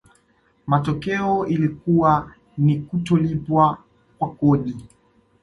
matokeo ilikuwa ni kutolipwa kwa kodi